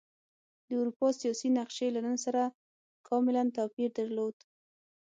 د اروپا سیاسي نقشې له نن سره کاملا توپیر درلود.